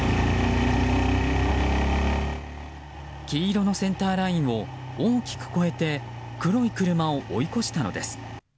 黄色のセンターラインを大きく越えて黒い車を追い越したのです。